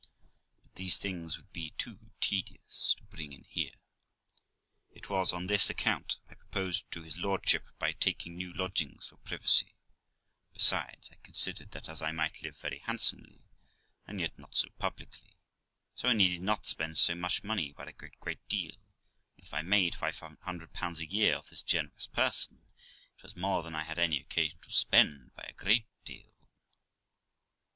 But these things would be too tedious to bring in here. It was on this account I proposed to his lordship my taking new lodgings for privacy ; besides, I considered that, as I might live very handsomely, and yet not so publicly, so I needed not spend so much money by a great deal; and, if I made 500 a year of this generous person, it was more than I had any occasion to spend by a great deal.